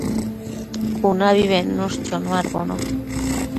cunabi bednush chonuadbono